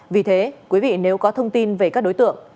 vì thế quý vị nếu có thông tin về các đối tượng